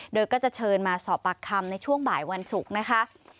โดยก็จะเชิญมาสอบปากคำในช่วงบ่ายวันศุกร์นะคะ